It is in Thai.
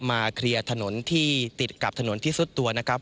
เคลียร์ถนนที่ติดกับถนนที่สุดตัวนะครับ